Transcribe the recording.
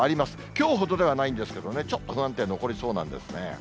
きょうほどではないんですけれどもね、ちょっと不安定残りそうなんですよね。